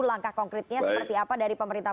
langkah konkretnya seperti apa dari pemerintah